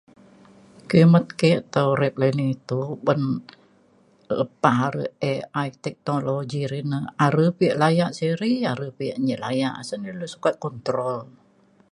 kimet ke tau rek ini to uban lepah a're AI teknologi ne a're pa ia' laya siri are pa ia' nyi laya. asen dulu sukat control.